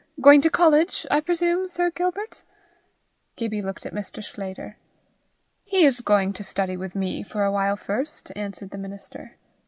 Going to college, I presume, Sir Gilbert?" Gibbie looked at Mr. Sclater. "He is going to study with me for a while first," answered the minister.